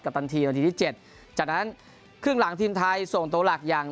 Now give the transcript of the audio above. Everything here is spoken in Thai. ตันทีนาทีที่เจ็ดจากนั้นครึ่งหลังทีมไทยส่งตัวหลักอย่าง